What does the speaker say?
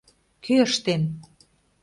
Кӧ ыштен?